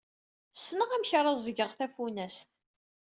Ssneɣ amek ara ẓẓgeɣ tafunast.